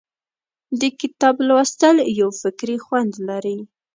د کتاب لوستل یو فکري خوند لري.